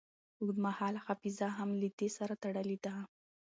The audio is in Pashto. اوږدمهاله حافظه هم له دې سره تړلې ده.